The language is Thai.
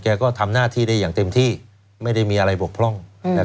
ก็ทำหน้าที่ได้อย่างเต็มที่ไม่ได้มีอะไรบกพร่อง